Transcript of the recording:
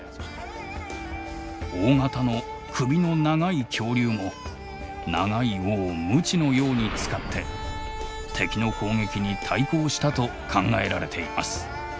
大型の首の長い恐竜も長い尾をムチのように使って敵の攻撃に対抗したと考えられています。